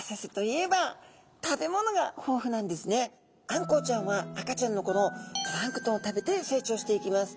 あんこうちゃんは赤ちゃんのころプランクトンを食べて成長していきます。